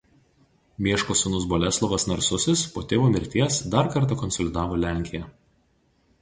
Mieško sūnus Boleslovas Narsusis po tėvo mirties dar kartą konsolidavo Lenkiją.